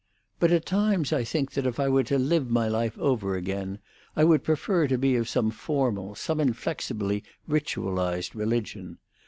But at times I think that if I were to live my life over again, I would prefer to be of some formal, some inflexibly ritualised, religion.